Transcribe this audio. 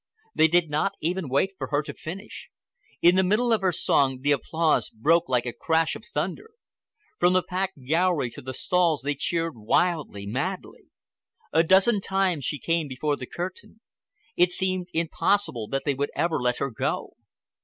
They did not even wait for her to finish. In the middle of her song the applause broke like a crash of thunder. From the packed gallery to the stalls they cheered her wildly, madly. A dozen times she came before the curtain. It seemed impossible that they would ever let her go.